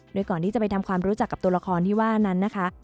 โดยก่อนที่จะไปทำความรู้จักกับตัวละครที่ว่านั้นนะคะ